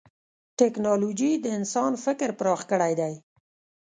ټکنالوجي د انسان فکر پراخ کړی دی.